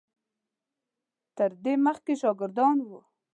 تر دې مخکې شاګردان وو.